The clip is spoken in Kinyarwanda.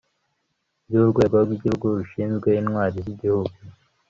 by'urwego rw'igihugu rushinzwe intwari z'igihugu